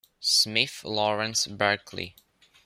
Smith, Lawrence Berkley.